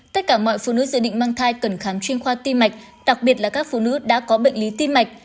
tất cả mọi phụ nữ dự định mang thai cần khám chuyên khoa tim mạch đặc biệt là các phụ nữ đã có bệnh lý tim mạch